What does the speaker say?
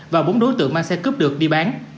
và bốn đối tượng mang xe cướp được đi bán